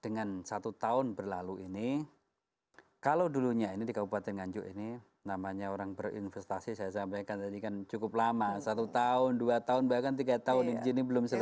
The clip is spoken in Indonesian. dengan satu tahun berlalu ini kalau dulunya ini di kabupaten nganjuk ini namanya orang berinvestasi saya sampaikan tadi kan cukup lama satu tahun dua tahun bahkan tiga tahun ini belum selesai